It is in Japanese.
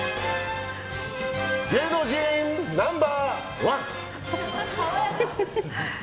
芸能人ナンバー１。